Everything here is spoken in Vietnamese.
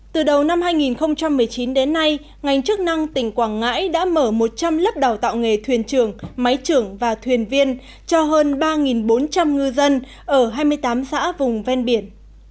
từ đầu năm hai nghìn một mươi chín đến nay ngành chức năng tỉnh quảng ngãi đã mở một trăm linh lớp đào tạo nghề thuyền trưởng máy trưởng và thuyền viên cho hơn ba bốn trăm linh ngư dân ở hai mươi tám xã vùng ven biển